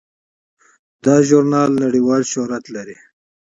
دا ژورنال نړیوال شهرت لري.